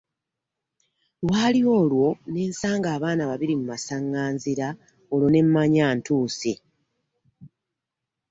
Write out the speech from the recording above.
Lwali olwo ne nsanga abaana babiri mu masaŋŋanzira olwo ne mmanya ntuuse.